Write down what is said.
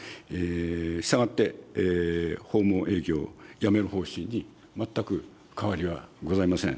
したがって、訪問営業をやめる方針に全く変わりはございません。